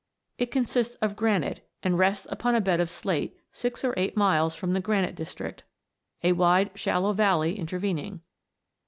It consists of granite, and rests upon a bed of slate six or eight miles from the granite district, a wide shallow valley intervening.